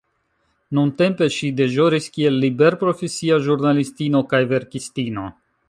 Nuntempe ŝi deĵoris kiel liberprofesia ĵurnalistino kaj verkistino.